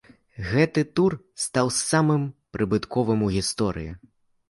Гэты тур стаў самым прыбытковым у гісторыі.